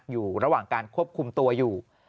อยู่ระหว่างการควบคุมตัวอยู่